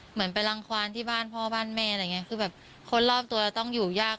เหมือนไปรังความที่บ้านพ่อบ้านแม่อะไรอย่างเงี้คือแบบคนรอบตัวต้องอยู่ยาก